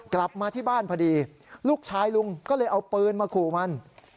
กลับมาที่บ้านพอดีลูกชายลุงก็เลยเอาปืนมาขู่มัน